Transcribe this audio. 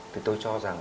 thì tôi cho rằng